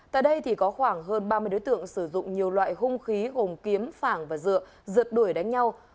tại đây có khoảng hơn ba mươi đối tượng sử dụng nhiều loại hung khí gồm kiếm phảng và dựa đuổi đánh nhau